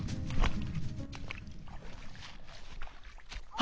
・あ！